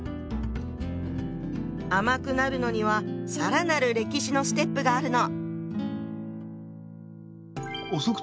甘くなるのには更なる歴史のステップがあるの。